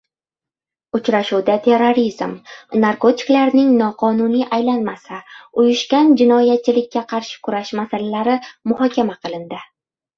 Uchrashuvda terrorizm, narkotiklarning noqonuniy aylanmasi, uyushgan jinoyatchilikka qarshi kurash masalalari muhokama qilindi